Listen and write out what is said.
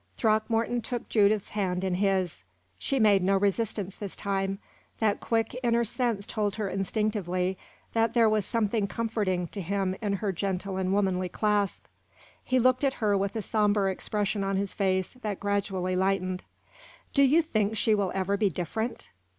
Throckmorton took Judith's hand in his. She made no resistance this time that quick inner sense told her instinctively that there was something comforting to him in her gentle and womanly clasp. He looked at her with a somber expression on his face that gradually lightened. "Do you think she will ever be different?"